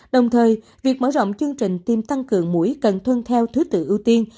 đồng thời việc mở rộng chương trình tiêm tăng cường mũi cần tuân theo thứ tự ưu tiên